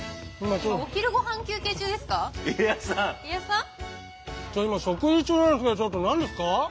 ちょ今食事中なんですけどちょっと何ですか？